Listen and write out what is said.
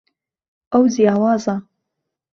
ئەو جیاوازە.